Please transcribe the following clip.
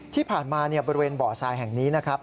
ที่ผ่านมาบริเวณบ่อทรายแห่งนี้นะครับ